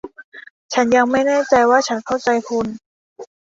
ฉันยังไม่แน่ใจว่าฉันเข้าใจคุณ